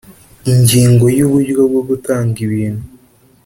ingingo ya uburyo bwo gutanga ibintu